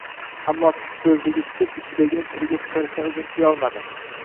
Ammo tikso`zligi tutib, ichidagini tiliga chiqarishdan o`zini tiyolmadi